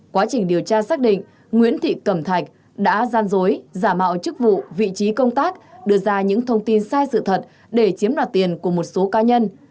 quá trình điều tra xác định nguyễn thị cẩm thạch đã gian dối giả mạo chức vụ vị trí công tác đưa ra những thông tin sai sự thật để chiếm đoạt tiền của một số cá nhân